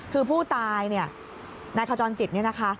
คือผู้ตายนายขจรจิตนี่นะคะ